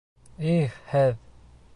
Их һеҙ!